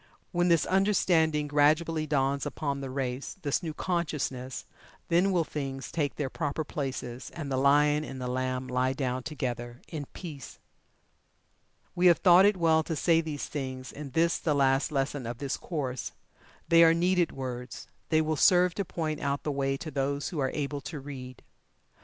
When this understanding gradually dawns upon the race this new consciousness then will Things take their proper places, and the Lion and the Lamb lie down together in peace. We have thought it well to say these things in this the last lesson of this course. They are needed words they will serve to point out the way to those who are able to read.